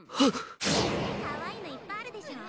かわいいのいっぱいあるでしょ？